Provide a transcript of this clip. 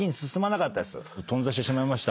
頓挫してしまいました。